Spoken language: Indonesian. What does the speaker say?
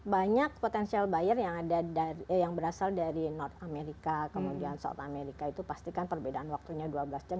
banyak potensial bayar yang ada dari yang berasal dari north america kemudian south america itu pastikan perbedaan waktunya dua belas jam